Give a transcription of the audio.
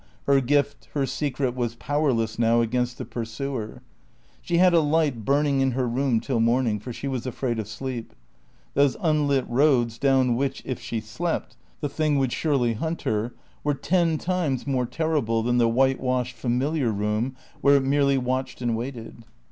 Her gift, her secret, was powerless now against the pursuer. She had a light burning in her room till morning, for she was afraid of sleep. Those unlit roads down which, if she slept, the Thing would surely hunt her, were ten times more terrible than the white washed, familiar room where it merely watched and waited.